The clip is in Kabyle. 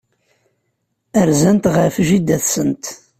Rzant ɣef jida-tsent.